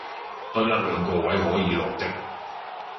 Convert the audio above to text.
得一兩個位可以綠的